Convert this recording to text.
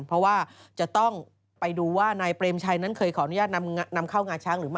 เพราะว่าจะต้องไปดูว่านายเปรมชัยนั้นเคยขออนุญาตนำเข้างาช้างหรือไม่